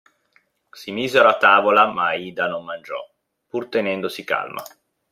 Si misero a tavola, ma Aida non mangiò, pur tenendosi calma.